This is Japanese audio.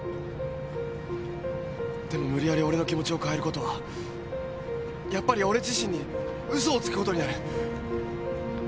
でも無理やり俺の気持ちを変えることはやっぱり俺自身に嘘をつくことになる。